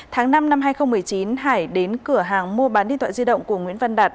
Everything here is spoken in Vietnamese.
tháng năm năm hai nghìn một mươi chín hải đến cửa hàng mua bán điện thoại di động của nguyễn văn đạt